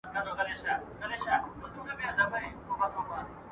کتاب یې د خلکو پام ځان ته واړاوه.